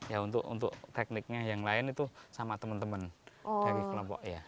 ya untuk tekniknya yang lain itu sama teman teman dari kelompok ya